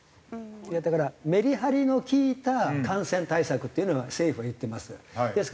いやだからメリハリの利いた感染対策っていうのは政府は言ってます。